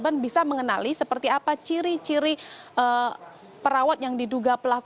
ini yang seharusnya